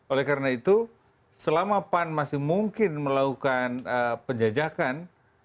oleh karena itu selama pan masih mungkin melakukan penjajakan